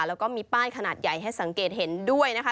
แล้วก็มีป้ายขนาดใหญ่ให้สังเกตเห็นด้วยนะคะ